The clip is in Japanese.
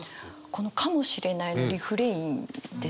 この「かもしれない」のリフレインですよね。